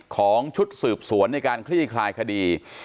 ของชุดสืบสวนในการคลี่คลายคดี